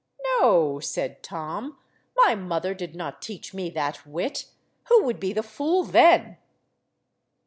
"No," said Tom, "my mother did not teach me that wit. Who would be the fool then?"